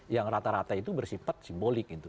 yang rata rata itu bersifat simbolik gitu